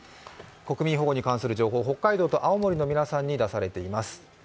国民保護に関する情報、北海道と青森の皆さんに出されています。